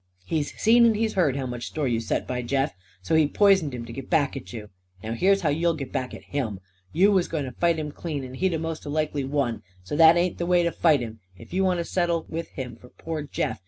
He's seen, and he's heard, how much store you set by Jeff. So he poisoned him to get back at you. Now here's how you'll get back at him: You was going to fight him clean. And he'd 'a' most likely won. So that ain't the way to fight him, if you want to settle with him for poor Jeff.